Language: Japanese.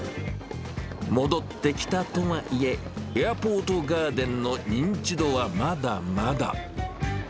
戻ってきたとはいえ、エアポートガーデンの認知度はまだまだ。